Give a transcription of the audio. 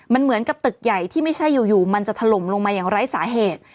มันเหมือนกับตึกใหญ่ที่ไม่ใช่อยู่มันจะถล่มลงมาอย่างไร้สาเหตุ